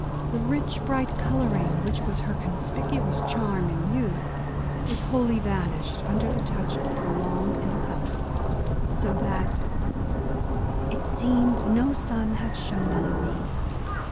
The rich, bright colouring which was her conspicuous charm in youth, is wholly vanished under the touch of prolonged ill health : so that —It seemed no sun had shone on me.